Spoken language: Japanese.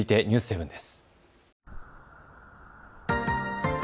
ニュース７です。